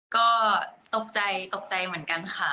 ก็ตกใจตกใจเหมือนกันค่ะ